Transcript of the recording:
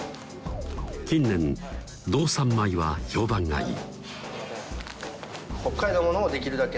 近年道産米は評判がいい